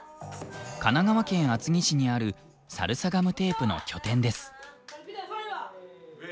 神奈川県厚木市にあるサルサガムテープの拠点です。